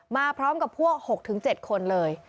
มาพร้อมกับพวกหกถึงเจ็ดคนเลย